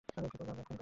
কি করবো আমরা এখন?